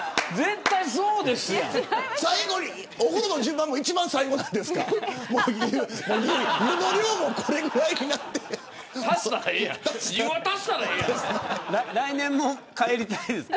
お風呂の順番も一番最後なんですか。